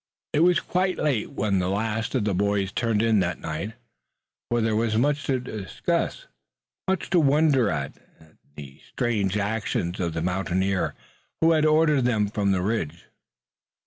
It was quite late when the last of the boys turned in that night, for there was much to discuss, much to wonder at in the strange actions of the mountaineer who had ordered them from the Ridge.